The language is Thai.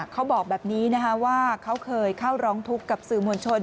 เขาบอกแบบนี้ว่าเขาเคยเข้าร้องทุกข์กับสื่อมวลชน